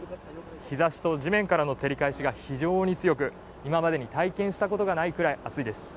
日ざしと地面からの照り返しが非常に強く、今までに体験したことがないぐらい暑いです。